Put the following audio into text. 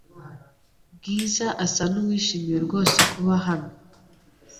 Bwiza asa nuwishimiye rwose kuba hano .